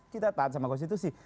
kita tahan sama konstitusi